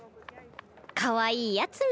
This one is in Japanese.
かわいいやつめ。